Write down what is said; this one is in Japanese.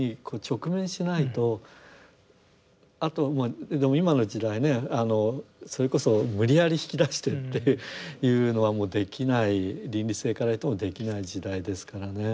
あとでも今の時代ねあのそれこそ無理やり引き出してっていうのはもうできない倫理性から言ってもできない時代ですからね。